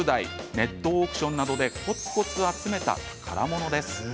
ネットオークションなどでこつこつ集めた宝物です。